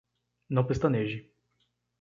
Não pestaneje